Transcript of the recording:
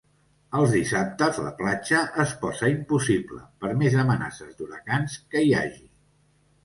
Els dissabtes la platja es posa impossible, per més amenaces d'huracans que hi hagi.